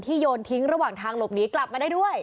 ที่โยนทิ้งระหว่างทางหลบนี้กลับมาด้วย